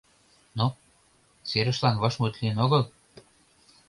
— Ну, серышлан вашмут лийын огыл?